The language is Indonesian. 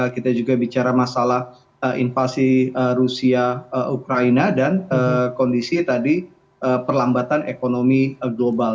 kita juga bicara masalah invasi rusia ukraina dan kondisi tadi perlambatan ekonomi global